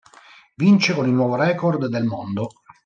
Vince con il nuovo record del mondo.